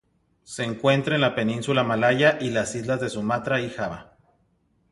Se encuentra en la península malaya, y las islas de Sumatra y Java.